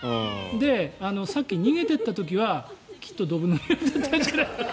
で、さっき逃げていった時はきっとどぶのにおいだったんじゃないかな。